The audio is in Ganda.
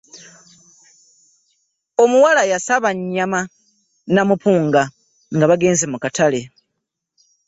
Omuwala yasaba nnyama na mupunga nga bagenze mu katale.